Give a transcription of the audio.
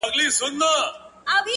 سپوږمۍ هغې ته په زاریو ویل ـ